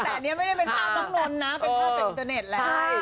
แต่อันนี้ไม่ได้เป็นภาพน้องนมนะเป็นภาพจากอินเทอร์เน็ตแหละ